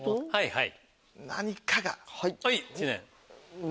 はい。